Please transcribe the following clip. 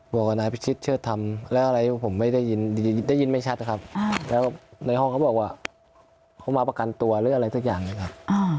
บอกว่านายพิชิตเชิดธรรมแล้วอะไรผมไม่ได้ยินไม่ชัดนะครับแล้วในห้องเขาบอกว่าเขามาประกันตัวหรืออะไรสักอย่างเลยครับ